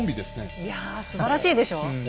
いやすばらしいでしょう？